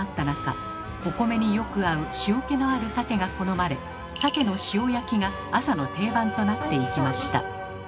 中お米によく合う塩気のある鮭が好まれ「鮭の塩焼き」が朝の定番となっていきました。